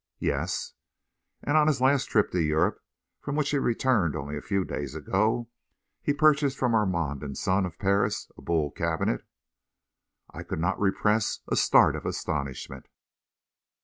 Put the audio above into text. "Yes." "And on his last trip to Europe, from which he returned only a few days ago, he purchased of Armand & Son, of Paris, a Boule cabinet?" I could not repress a start of astonishment.